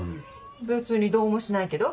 別にどうもしないけど。